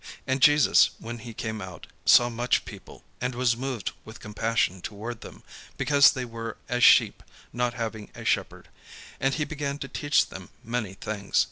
And Jesus, when he came out, saw much people, and was moved with compassion toward them, because they were as sheep not having a shepherd: and he began to teach them many things.